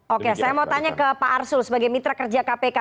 oke saya mau tanya ke pak arsul sebagai mitra kerja kpk